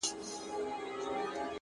يو زرو اوه واري مي ښكل كړلې!!